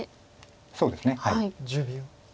そうですね。